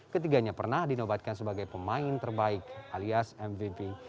ketiganya pernah dinobatkan sebagai pemain terbaik alias mvp